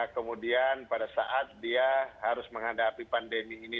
kemudian pada saat dia harus menghadapi pandemi ini